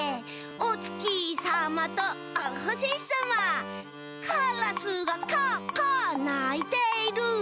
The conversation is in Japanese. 「おつきさまとおほしさま」「カラスがカアカアないている」